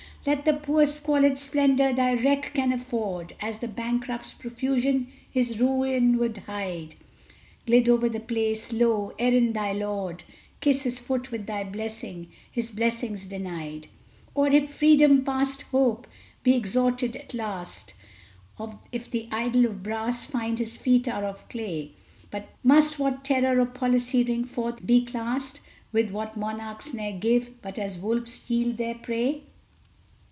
Let the poor squalid splendor thy wreck can afford (As the bankrupt's profusion his ruin would hide) Gild over the palace. Lo! Erin, thy lord! Kiss his foot with thy blessing, his blessings denied! Or if freedom past hope be extorted at last, If the idol of brass find his feet are of clay, Must what terror or policy wring forth be classed With what monarchs ne'er give, but as wolves yield their prey?